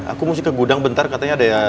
aku mesti ke gudang bentar katanya ada ya